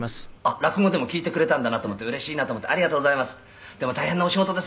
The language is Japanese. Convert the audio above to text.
「落語でも聴いてくれたんだなと思ってうれしいなと思ってありがとうございます」